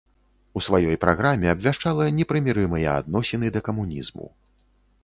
У сваёй праграме абвяшчала непрымірымыя адносіны да камунізму.